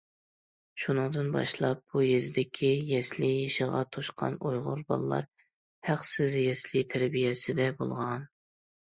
شۇنىڭدىن باشلاپ، بۇ يېزىدىكى يەسلى يېشىغا توشقان ئۇيغۇر بالىلار ھەقسىز يەسلى تەربىيەسىدە بولغان.